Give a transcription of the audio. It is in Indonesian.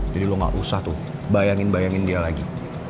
jadi lo gak usah tuh bayangin bayangin dia lagi